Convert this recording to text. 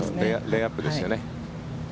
レイアップですよね。